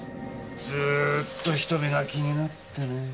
ずーっと人目が気になってね。